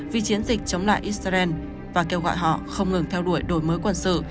vì chiến dịch chống lại israel và kêu gọi họ không ngừng theo đuổi đổi mới quân sự